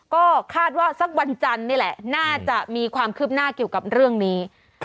ก็คาดว่าสักวันจันทร์นี่แหละน่าจะมีความคืบหน้าเกี่ยวกับเรื่องนี้